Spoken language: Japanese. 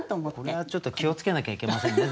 これはちょっと気を付けなきゃいけませんね